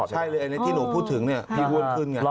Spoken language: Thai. ใช่เลยไอ้ที่หนูพูดถึงเนี่ยที่คนขึ้นไง